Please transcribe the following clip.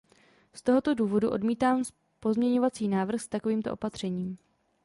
Z tohoto důvodu odmítám pozměňovací návrh s takovýmto opatřením.